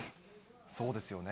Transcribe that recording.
そうですよね。